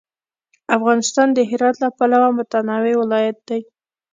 افغانستان د هرات له پلوه متنوع ولایت دی.